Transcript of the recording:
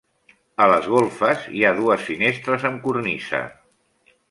A les golfes hi ha dues finestres amb cornisa.